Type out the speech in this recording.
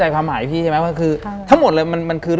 หลังจากนั้นเราไม่ได้คุยกันนะคะเดินเข้าบ้านอืม